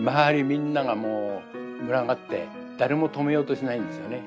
みんながもう群がって誰も止めようとしないんですよね。